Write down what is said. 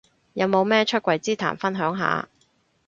有冇咩出櫃之談分享下